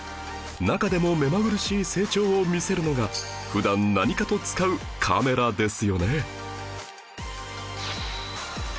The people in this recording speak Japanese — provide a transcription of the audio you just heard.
中でもめまぐるしい成長を見せるのが普段何かと使うカメラですよね